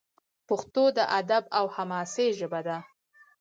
پښتو د ادب او حماسې ژبه ده.